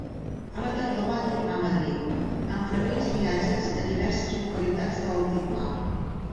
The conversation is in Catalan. A la tardor va tornar a Madrid, amb freqüents viatges a diverses localitats de l'altiplà.